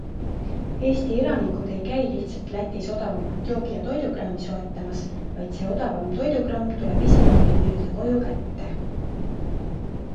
Eesti elanikud ei käi lihtsalt Lätis odavamat joogi- ja toidukraami soetamas, vaid see odavam toidukraam tuleb ise meile n-ö koju kätte.